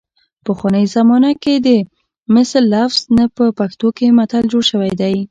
پخوانۍ زمانه کې د مثل لفظ نه په پښتو کې متل جوړ شوی دی